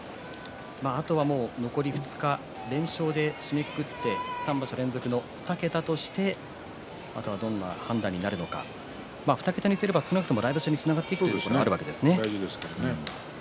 あとは残り２日連勝で締めくくって３場所連続の２桁としてあとはどんな判断になるのか２桁にすれば少なくとも来場所につながっていくわけですからね。